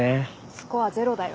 スコアゼロだよ。